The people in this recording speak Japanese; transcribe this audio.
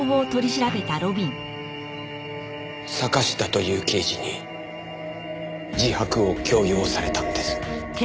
坂下という刑事に自白を強要されたんです。